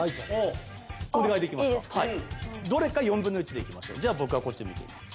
どれか４分の１でいきましょうじゃあ僕はこっち向いています